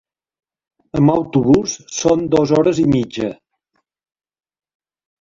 Amb autobús són dos hores i mitja.